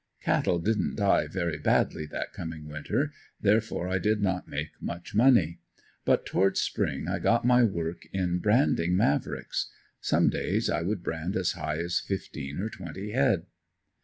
Cattle didn't die very badly that coming winter, therefore I did not make much money. But towards spring I got my work in branding Mavricks. Some days I would brand as high as fifteen or twenty head.